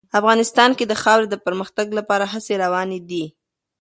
افغانستان کې د خاورې د پرمختګ لپاره هڅې روانې دي.